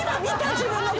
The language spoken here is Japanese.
自分の顔。